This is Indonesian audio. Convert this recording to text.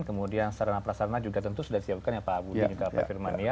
kemudian sarana prasarana juga tentu sudah disiapkan ya pak budi pak firmania